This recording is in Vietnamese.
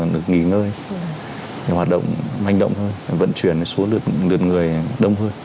được nghỉ ngơi hoạt động hành động hơn vận chuyển xuống lượt người đông hơn